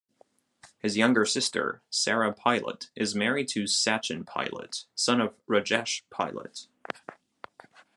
His younger sister, Sara Pilot, is married to Sachin Pilot, son of Rajesh Pilot.